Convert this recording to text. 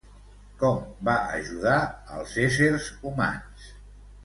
Com va ajudar als éssers humans?